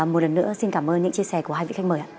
một lần nữa xin cảm ơn những chia sẻ của hai vị khách mời ạ